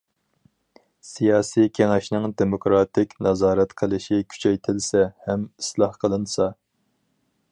سىياسىي كېڭەشنىڭ دېموكراتىك نازارەت قىلىشى كۈچەيتىلسە ھەم ئىسلاھ قىلىنسا.